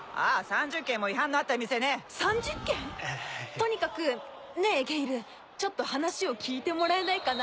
「とにかくねえゲイルちょっと話を聞いてもらえないかな？」